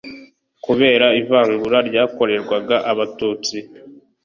Kubera ivangura ryakorerwaga Abatutsi